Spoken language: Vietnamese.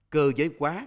cơ giới hóa